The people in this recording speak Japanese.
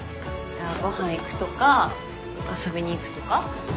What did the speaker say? ご飯行くとか遊びに行くとか。